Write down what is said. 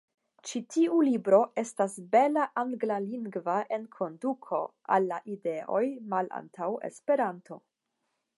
Ĉi tiu libro estas bela anglalingva enkonduko al la ideoj malantaŭ Esperanto.